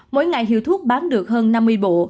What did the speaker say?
mỗi ngày hiệu thuốc bán được hơn năm mươi bộ